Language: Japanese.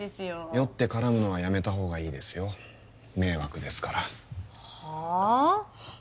酔って絡むのはやめたほうがいいですよ迷惑ですからはっ？